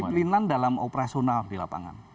kesiplinan dalam operasional di lapangan